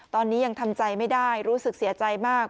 ตอนนี้ยังทำใจไม่ได้รู้สึกเสียใจมาก